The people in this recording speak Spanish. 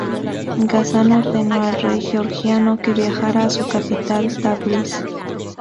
Ghazan ordenó al rey Georgiano que viajara a su capital Tabriz.